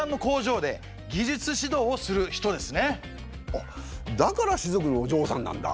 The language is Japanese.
あっだから士族のおじょうさんなんだ。